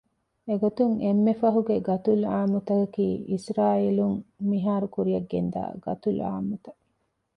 އެގޮތުން އެންމެ ފަހުގެ ގަތުލުއާންމުތަކަކީ އިސްރާއީލުން މިހާރު ކުރިޔަށްގެންދާ ގަތުލުއާންމުތައް